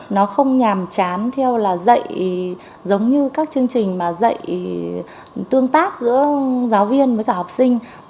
nó không nhàm chán theo là dạy giống như các chương trình mà dạy tương tác giữa giáo viên với cả học sinh